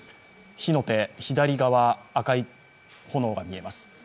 火の手、左側、赤い炎が見えます。